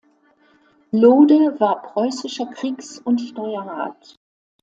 Lohde war preußischer Kriegs- und Steuerrat.